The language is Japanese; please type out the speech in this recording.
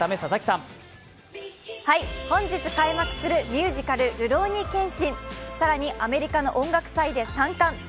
本日開幕するミュージカル「るろうに剣心」、更に、アメリカの音楽祭で３冠。